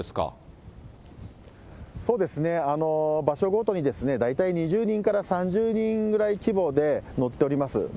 場所ごとに大体２０人から３０人ぐらい規模で乗っております。